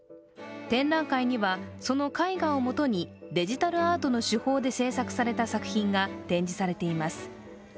展覧会には、その絵画をもとにデジタルアートの手法で制作された作品が展示されています。